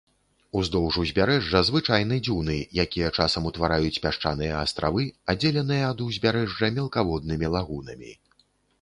Уздоўж узбярэжжа звычайны дзюны, якія часам утвараюць пясчаныя астравы, аддзеленыя ад узбярэжжа мелкаводнымі лагунамі.